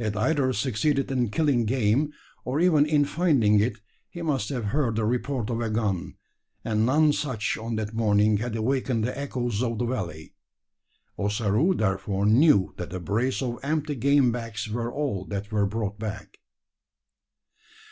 Had either succeeded in killing game, or even in finding it, he must have heard the report of a gun, and none such on that morning had awakened the echoes of the valley. Ossaroo, therefore, knew that a brace of empty game bags were all that were brought back.